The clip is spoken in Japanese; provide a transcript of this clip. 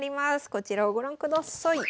こちらをご覧ください。